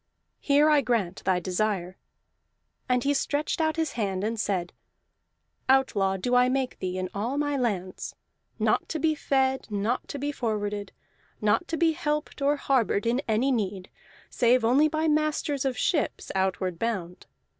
Here I grant thy desire." And he stretched out his hand and said: "Outlaw do I make thee in all my lands not to be fed, not to be forwarded, not to be helped or harbored in any need, save only by masters of ships outward bound.